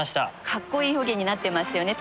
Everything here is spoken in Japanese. かっこいい表現になってますよね。